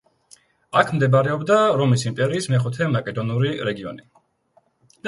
აქ მდებარეობდა რომის იმპერიის მეხუთე მაკედონური რეგიონი.